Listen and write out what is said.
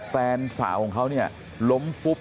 แฟนสาวของเขาเนี่ยล้มปุ๊บ